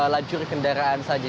lajur kendaraan saja